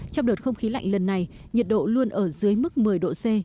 trong đợt không khí lạnh lần này nhiệt độ luôn ở dưới mức một mươi độ c